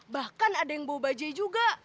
bahkan ada yang bawa bajai juga